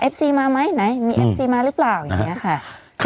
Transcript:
ซีมาไหมไหนมีเอฟซีมาหรือเปล่าอย่างนี้ค่ะ